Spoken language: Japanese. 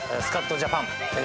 『スカッとジャパン』